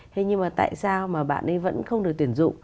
thế nhưng mà tại sao mà bạn ấy vẫn không được tuyển dụng